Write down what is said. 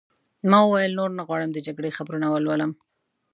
ما وویل: نور نه غواړم د جګړې خبرونه ولولم.